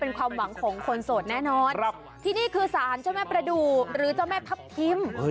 เป็นความหวังของคนสดแน่สั่นมหามาประดูกหรือเจ้าแม่พัมพิมพ์